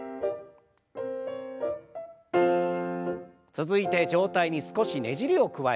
続いて上体に少しねじりを加える運動。